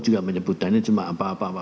juga menyebutkannya cuma apa apa